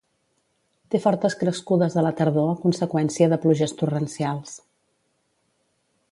Té fortes crescudes a la tardor a conseqüència de pluges torrencials.